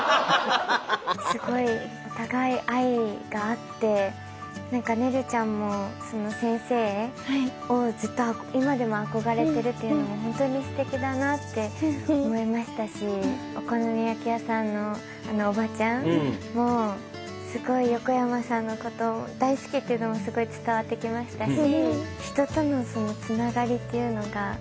すごいお互い愛があって何かねるちゃんも先生をずっと今でも憧れてるっていうのも本当にすてきだなって思いましたしお好み焼き屋さんのあのおばちゃんもすごい横山さんのこと大好きっていうのもすごい伝わってきましたし。